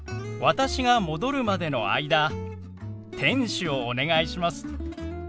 私が戻るまでの間店主をお願いします。